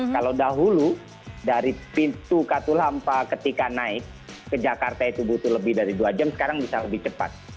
kalau dahulu dari pintu katulampa ketika naik ke jakarta itu butuh lebih dari dua jam sekarang bisa lebih cepat